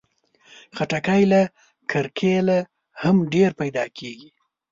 خټکی له کرکيله هم ډېر پیدا کېږي.